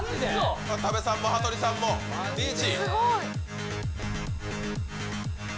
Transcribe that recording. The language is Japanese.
渡部さんも羽鳥さんもリーチ。